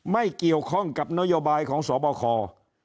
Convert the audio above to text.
ไม่เกี่ยวคล่องกับนยบายของสพกร